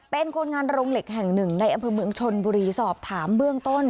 เป็นคนงานโรงเหล็กแห่งหนึ่งในอำเภอเมืองชนบุรีสอบถามเบื้องต้น